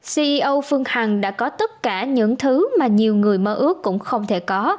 ceo phương hằng đã có tất cả những thứ mà nhiều người mơ ước cũng không thể có